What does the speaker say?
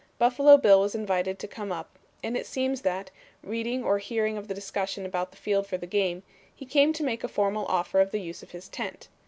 Buffalo Bill was invited to come up, and it seems that, reading or hearing of the discussion about the field for the game, he came to make a formal offer of the use of his tent.